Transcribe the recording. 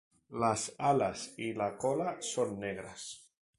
Las alas y la cola son negras.